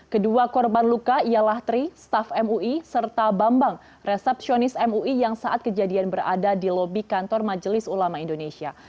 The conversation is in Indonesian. kedua korban luka ialah tri staff mui serta bambang resepsionis mui yang saat kejadian berada di lobi kantor majelis ulama indonesia